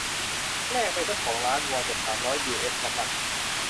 แลกไปซักสองล้านวอน กับ สามร้อยยูเอสละกัน